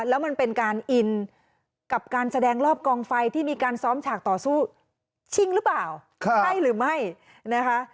แล้วมันเป็นการอินกับการแสดงรอบกองไฟที่มีการซ้อมฉากต่อสู้ชิงหรือเปล่าใช่หรือไม่นะคะ